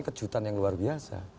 kejutan yang luar biasa